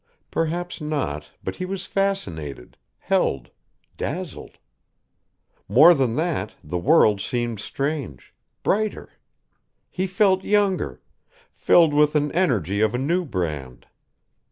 Perhaps not, but he was fascinated, held, dazzled. More than that, the world seemed strange brighter; he felt younger, filled with an energy of a new brand.